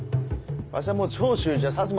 わしゃもう長州じゃ摩